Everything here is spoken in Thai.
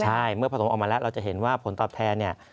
ใช่เมื่อผสมออกมาแล้วเราจะเห็นว่าผลตอบแทนเนี่ย